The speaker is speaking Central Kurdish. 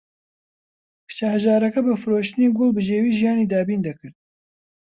کچە هەژارەکە بە فرۆشتنی گوڵ بژێوی ژیانی دابین دەکرد.